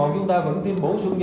chúng ta vẫn tiêm bốn